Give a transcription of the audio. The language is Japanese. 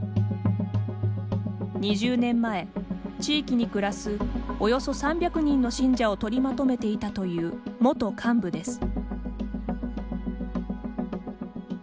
２０年前、地域に暮らすおよそ３００人の信者を取りまとめていたという元幹部です。